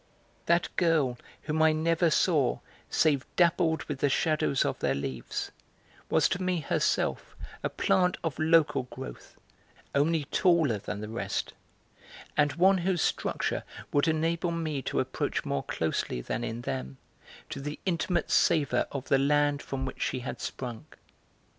That girl whom I never saw save dappled with the shadows of their leaves, was to me herself a plant of local growth, only taller than the rest, and one whose structure would enable me to approach more closely than in them to the intimate savour of the land from which she had sprung.